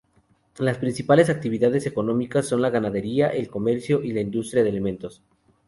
Las principales actividades económicas son la ganadería, el comercio y la industria de alimentos.